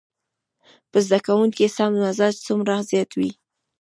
په زده کوونکي کې سم مزاج څومره زيات وي.